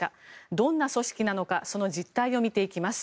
どんな組織なのかその実態を見ていきます。